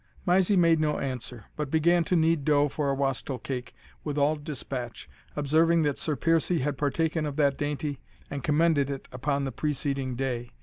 Mysie made no answer, but began to knead dough for wastel cake with all despatch, observing that Sir Piercie had partaken of that dainty, and commended it upon the preceding day.